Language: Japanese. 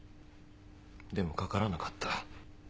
でもかからなかった。